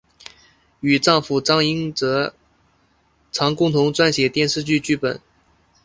与丈夫张英哲常共同撰写电视剧剧本。